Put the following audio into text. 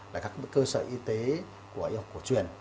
tại các cơ sở y tế của y học cổ truyền